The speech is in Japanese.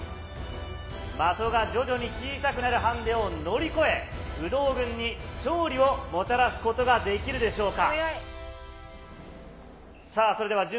的が徐々に小さくなるハンデを乗り越え、有働軍に勝利をもたらすことができるでしょうか。